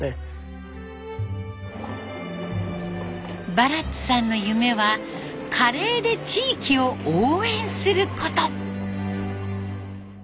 バラッツさんの夢はカレーで地域を応援すること。